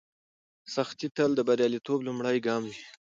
سختي تل د بریالیتوب لومړی ګام وي.